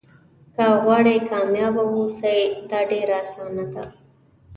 که غواړئ کامیابه واوسئ دا ډېره اسانه ده.